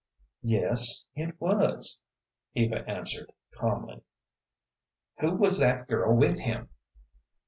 "Yes, it was," Eva answered, calmly. "Who was that girl with him?"